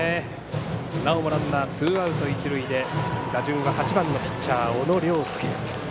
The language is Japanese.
なおもランナーツーアウト、一塁で打順は８番のピッチャー小野涼介。